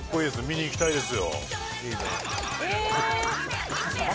見に行きたいです